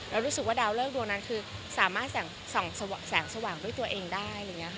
เรารู้สึกว่าดาวเลิกดวงนั้นคือสามารถส่องแสงสว่างด้วยตัวเองได้